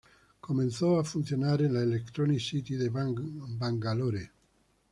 Comenzó a funcionar en la "Electronics City" de Bangalore.